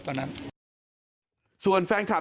ก็ตอบได้คำเดียวนะครับ